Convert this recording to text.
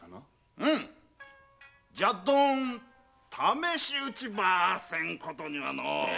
うむじゃどん試し撃ちばせんことにはのう。